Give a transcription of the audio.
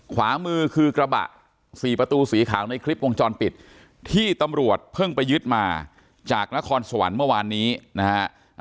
ขวามือคือกระบะสี่ประตูสีขาวในคลิปวงจรปิดที่ตำรวจเพิ่งไปยึดมาจากนครสวรรค์เมื่อวานนี้นะฮะ